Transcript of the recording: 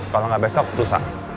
kalo gak besok rusak